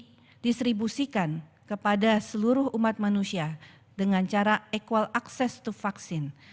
didistribusikan kepada seluruh umat manusia dengan cara equal access to vaksin